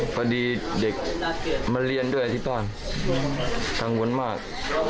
พอดีเด็กมาเรียนด้วยที่บ้านกังวลมาก